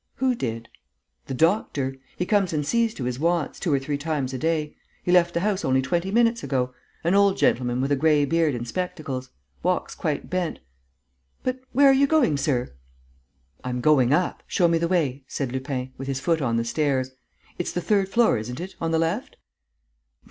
"Who did?" "The doctor. He comes and sees to his wants, two or three times a day. He left the house only twenty minutes ago ... an old gentleman with a grey beard and spectacles.... Walks quite bent.... But where are you going sir?" "I'm going up, show me the way," said Lupin, with his foot on the stairs. "It's the third floor, isn't it, on the left?"